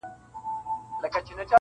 چي د جنګ پر نغارو باندي بل اور سو-